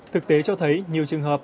thực tế cho thấy nhiều trường hợp